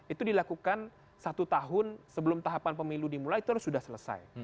itu dilakukan satu tahun sebelum tahapan pemilu dimulai itu harus sudah selesai